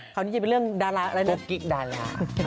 คราวนี้จะเป็นเรื่องดาราอะไรเนี่ยโป๊กกิ๊กดารา